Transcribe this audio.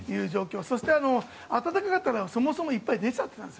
そして暖かかったのでいっぱい出ちゃってたんです